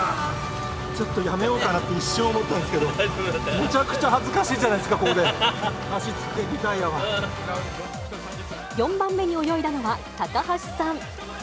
ちょっとやめようかなって一瞬思ったんですけど、めちゃくちゃ恥ずかしいじゃないですか、ここで、４番目に泳いだのは高橋さん。